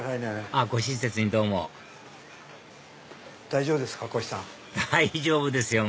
大丈夫ですよ！